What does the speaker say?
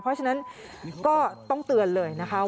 เพราะฉะนั้นก็ต้องเตือนเลยนะคะ